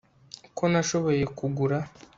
Ko nashoboye kugura